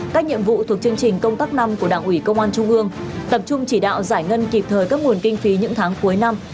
các nhiệm vụ thuộc chương trình công tác năm của đảng ủy công an trung ương tập trung chỉ đạo giải ngân kịp thời các nguồn kinh phí những tháng cuối năm